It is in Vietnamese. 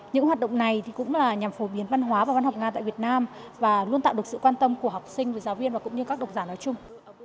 những hoạt động này cũng là nhằm phổ biến văn hóa và văn học nga tại việt nam và luôn tạo được sự quan tâm của học sinh với giáo viên và cũng như các độc giả nói chung